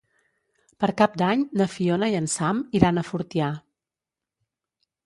Per Cap d'Any na Fiona i en Sam iran a Fortià.